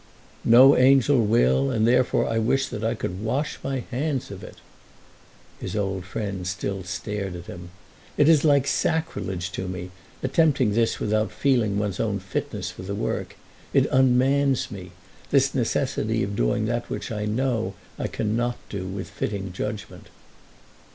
"No angel will, and therefore I wish that I could wash my hands of it." His old friend still stared at him. "It is like sacrilege to me, attempting this without feeling one's own fitness for the work. It unmans me, this necessity of doing that which I know I cannot do with fitting judgment."